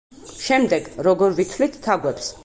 შემდეგ: როგორ ვითვლით თაგვებს?